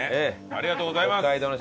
ありがとうございます。